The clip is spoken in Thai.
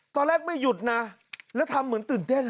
ตอนแรกไม่หยุดนะแล้วทำเหมือนตื่นเต้น